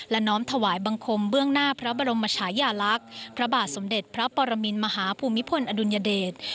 และน้อมถวายบังคมเบื้องหน้าพระบรมชายาลักษณ์พระบาทสมเด็จพระปรมินมหาภูมิพลอดุลยเดช